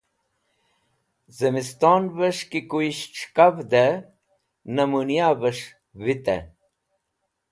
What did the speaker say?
Zẽmistonvẽs̃h ki kuyisht s̃hẽkavdẽ nemũnyaves̃h vitẽ.